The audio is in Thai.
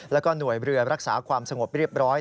แล้วก็หน่วยเรือรักษาความสงบเรียบร้อย